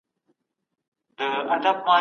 نو د هېواد په جوړولو کې خپله ونډه واخلئ.